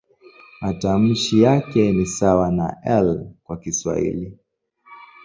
Matamshi yake ni sawa na "L" kwa Kiswahili.